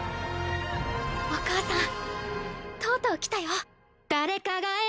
お母さんとうとう来たよ。